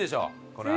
これは。